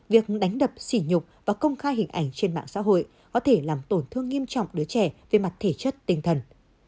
việc đánh đập xỉ nhục và công khai hình ảnh trên mạng xã hội có thể làm tổn thương nghiêm trọng đứa trẻ về mặt thể chất tinh thần